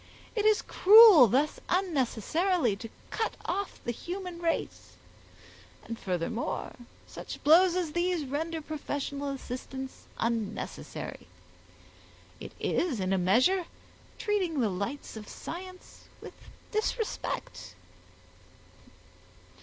It is cruel thus unnecessarily to cut off the human race, and furthermore, such blows as these render professional assistance unnecessary; it is in a measure treating the lights of science with disrespect."